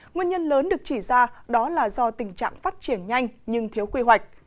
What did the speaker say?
nguyên nhân lớn được chỉ ra đó là do tình trạng phát triển nhanh nhưng thiếu quy hoạch